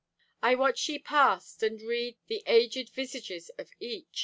I watch ye pass, and read The aged visages of each.